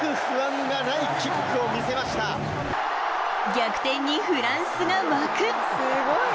逆転にフランスが沸く。